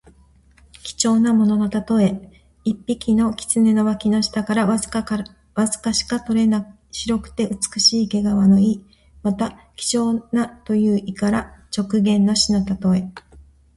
貴重なもののたとえ。一匹の狐の脇の下からわずかしか取れない白くて美しい毛皮の意。また、希少なという意から直言の士のたとえ。